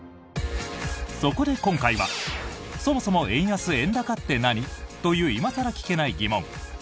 そこで今回はそもそも円安・円高って何？という今更聞けない疑問。